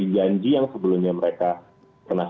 bukan sebutan mereka